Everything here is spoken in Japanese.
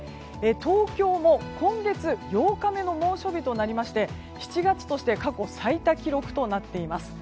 東京も今月８日目の猛暑日となりまして７月として過去最多記録となっています。